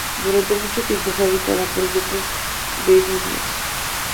Durante mucho tiempo fue habitada por grupos beduinos.